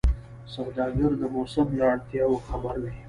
سوداګر د موسم له اړتیاوو خبر وي.